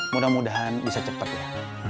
mudah mudahan bisa cepat ya